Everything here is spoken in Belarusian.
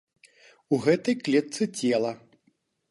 У гэтай клетцы цела.